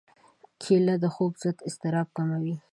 کېله د خوب ضد اضطراب کموي.